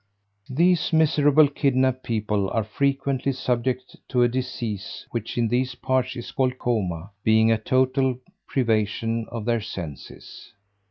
These miserable kidnapped people are frequently subject to a disease, which in these parts is called coma, being a total privation of their senses.